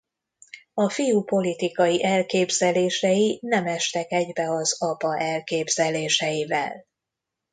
A fiú politikai elképzelései nem estek egybe az apa elképzeléseivel.